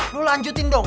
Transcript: lo lanjutin dong